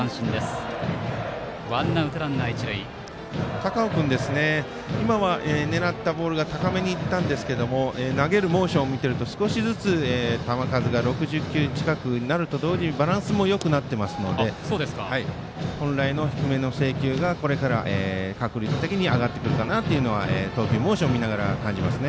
高尾君は今のは狙ったボールが高めに行きましたが投げるモーションを見ていると少しずつ球数が６０球近くになると同時にバランスもよくなっていますので本来の低めの制球がこれから確率が上がってくるかなというのは投球モーションを見ながら感じます。